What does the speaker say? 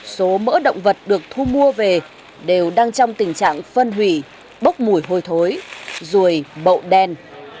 số mỡ động vật được thu mua về đều đang trong tình trạng phân hủy bốc mùi hôi thối ruồi mẫu đen